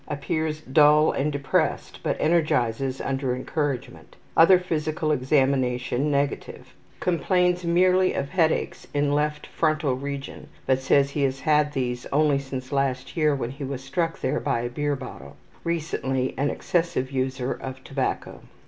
Appears dull and depressed, but energizes under encouragement. Other physical examination negative. Complains merely of headaches in left frontal region, but says he has had these only since last year when he was struck there by a beer bottle. Recently an excessive user of tobacco.